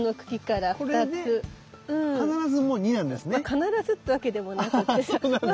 必ずってわけでもなくってさま